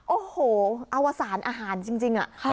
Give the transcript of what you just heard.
โอ้โหอวสารอาหารจริง